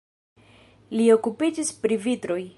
Li okupiĝis pri vitroj.